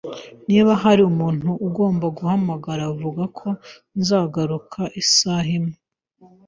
Niba hari umuntu ugomba guhamagara, vuga ko nzagaruka isaha imwe.